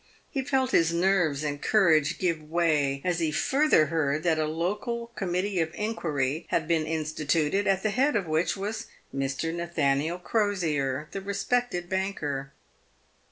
He felt his nerves and courage give way as he further heard that a local committee of inquiry had been instituted, at the head of which was Mr. Nathaniel Crosier, the respected banker.